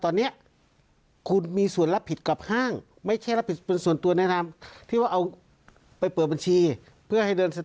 ทีนี้พอรู้แล้วว่าอยู่นี่ภาษีอากรมาเกี่ยวข้องกับห้างหุ่นส่วนนี้